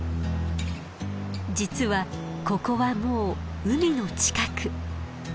実はここはもう海の近く。